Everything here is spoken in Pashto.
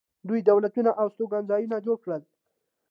دوی دولتونه او استوګنځایونه جوړ کړل.